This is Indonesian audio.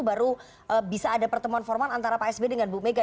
baru bisa ada pertemuan formal antara pak sby dengan bu mega